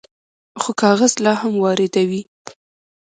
خو کاغذ لا هم واردوي.